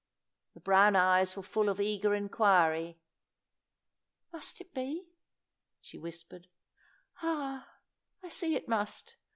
The brown eyes were full of eager inquiry. "Must it be?" she whispered. "Ah, I see it must!